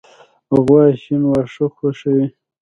غوا شین واښه خوښوي.